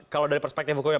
kalau dari perspektif hukumnya